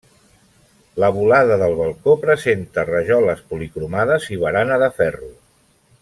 La volada del balcó presenta rajoles policromades i barana de ferro.